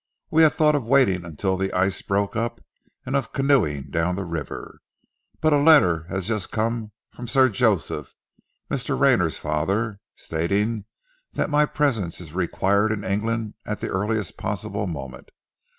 We had thought of waiting until the ice broke up and of canoeing down the river. But a letter has just come from Sir Joseph Mr. Rayner's father stating that my presence is required in England at the earliest possible moment.